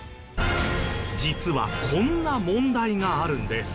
実はこんな問題があるんです。